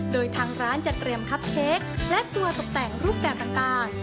โดยทางร้านจะเตรียมคับเค้กและตัวตกแต่งรูปแบบต่าง